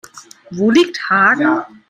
Wo liegt Hagen?